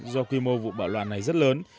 do quy mô vụ bạo loạn này rất lớn